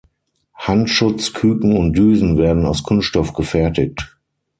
Handschutz, Küken und Düsen werden aus Kunststoff gefertigt.